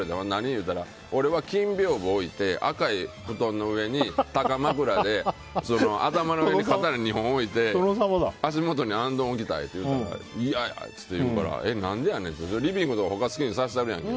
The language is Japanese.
言うたら俺は金屏風置いて赤い布団の上に高枕で頭の上に刀２本置いて足元に行燈置きたいって言うたら嫌や！っていうからなんでやねんってリビングとか他、好きにさせとるやんけ